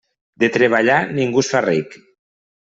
De treballar, ningú es fa ric.